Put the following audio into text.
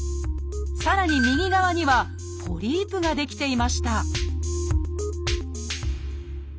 さらに右側にはポリープが出来ていました